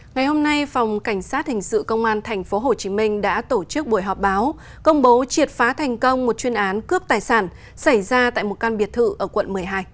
ngày hôm nay phòng cảnh sát hình sự công an tp hcm đã tổ chức buổi họp báo công bố triệt phá thành công một chuyên án cướp tài sản xảy ra tại một căn biệt thự ở quận một mươi hai